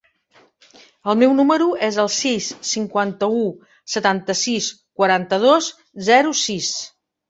El meu número es el sis, cinquanta-u, setanta-sis, quaranta-dos, zero, sis.